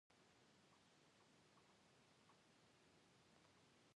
The user only has to modify the default settings according to their personal preferences.